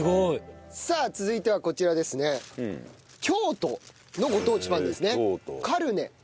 さあ続いてはこちらですね。